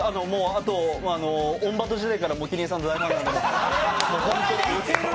あと、オンバト時代から麒麟さんの大ファンなんで。